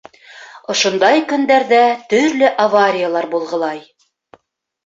Ошондай көндәрҙә төрлө авариялар булғылай.